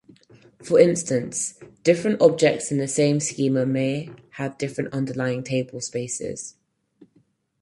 For instance, different objects in the same schema may have different underlying tablespaces.